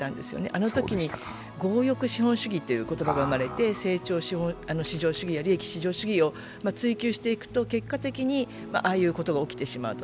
あのときに強欲資本主義という言葉が生まれて成長至上主義や利益至上主義を追求していくと結果的にああいうことが起きてしまうと。